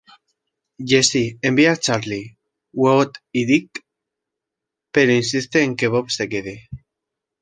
Jesse envía a Charley, Wood y Dick, pero insiste en que Bob se quede.